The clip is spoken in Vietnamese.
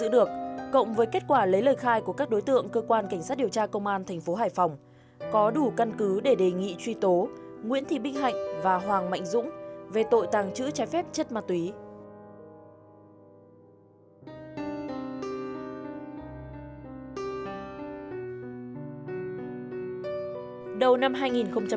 được xác định là đối tượng cầm đầu trực tiếp nguyễn thị bích hạnh bị tuyên phạt một mươi năm tù